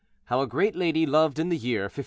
HOW A GREAT LADY LOVED IN THE YEAR 1586.